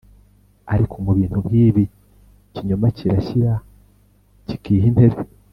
ariko mu bintu nk'ibi, ikinyoma kirashyira kikiha intebe.